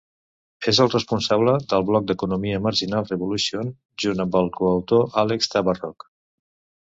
És el responsable del blog d'economia "Marginal Revolution", junt amb el coautor Alex Tabarrok.